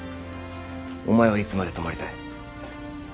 お前はいつまで泊まりたい？